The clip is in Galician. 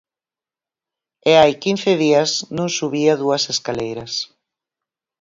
E hai quince días non subía dúas escaleiras.